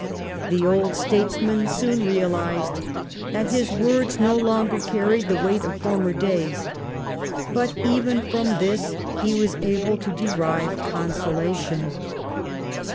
The old statesman soon realised that bis words no longer carried the weight of former days; but even from this he was able to derive consolation.